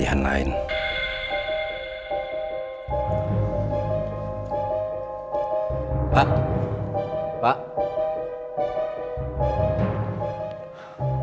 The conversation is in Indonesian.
rupanyaitsa siapa curang